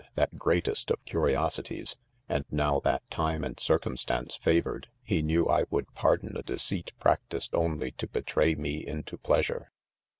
that greatest of curiosi° ties, — and rip\v thatT time and^ circumstance fa voured, lie knewlwould pardon a deceit prac tised 1 only to' betray me into pleasure.